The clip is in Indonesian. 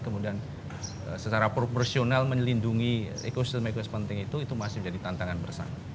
kemudian secara proporsional melindungi ekosistem ekosis penting itu itu masih menjadi tantangan bersama